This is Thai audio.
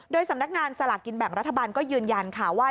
โดยสำนักงานสลากกินแบ่งรัฐบาลก็ยืนยันค่ะว่า